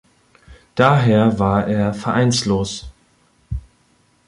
Daher war er vereinslos.